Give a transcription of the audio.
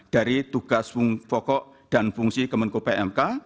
dari tugas pokok dan fungsi kemenko pmk